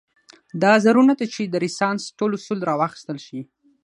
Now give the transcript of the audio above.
دا ضرور نه ده چې د رنسانس ټول اصول راواخیستل شي.